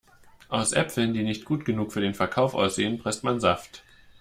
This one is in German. Aus Äpfeln, die nicht gut genug für den Verkauf aussehen, presst man Saft.